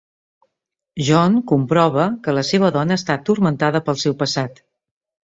John comprova que la seva dona està turmentada pel seu passat.